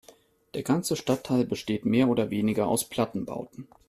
Der ganze Stadtteil besteht mehr oder weniger aus Plattenbauten.